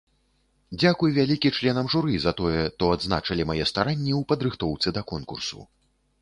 Дзякуй вялікі членам журы за тое, то адзначылі мае старанні ў падрыхтоўцы да конкурсу.